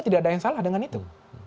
tidak ada yang salah dengan itu